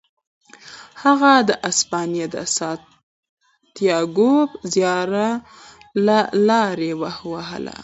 هغه د اسپانیا د سانتیاګو زیارلاره ووهله.